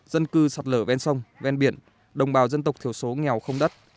dân cư sạt lở ven sông ven biển đồng bào dân tộc thiểu số nghèo không đất